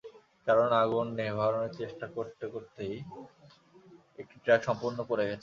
কারণ আগুন নেভানোর চেষ্টা করতে করতেই একটি ট্রাক সম্পূর্ণ পড়ে গেছে।